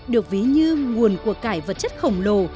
được ví như nguồn của cải vật chất khổng lồ